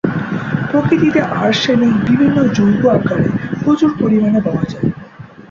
প্রকৃতিতে আর্সেনিক বিভিন্ন যৌগ আকারে প্রচুর পরিমাণে পাওয়া যায়।